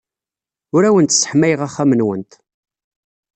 Ur awent-sseḥmayeɣ axxam-nwent.